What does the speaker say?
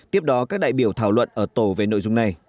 tiếp đó các đại biểu thảo luận ở tổ về nội dung này